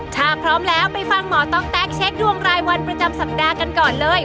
ถ้าพร้อมแล้วไปฟังหมอต๊อกแต๊กเช็คดวงรายวันประจำสัปดาห์กันก่อนเลย